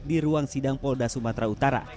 di ruang sidang polda sumatera utara